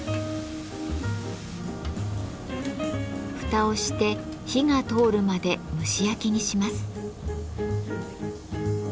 蓋をして火が通るまで蒸し焼きにします。